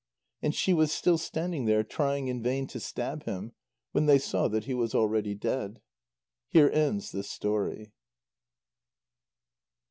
And she was still standing there trying in vain to stab him, when they saw that he was already dead. Here ends this story.